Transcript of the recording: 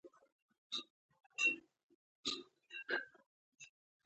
ازادي راډیو د کډوال په اړه د محلي خلکو غږ خپور کړی.